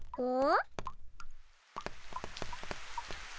うん。